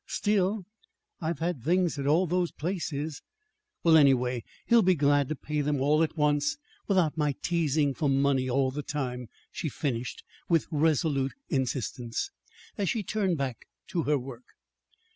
Still, I've had things at all those places. Well, anyway, he'll be glad to pay them all at once, without my teasing for money all the time," she finished with resolute insistence, as she turned back to her work.